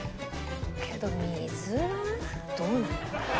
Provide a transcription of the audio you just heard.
けど水はどうなんだ？